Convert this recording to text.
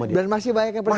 dan masih banyak yang percaya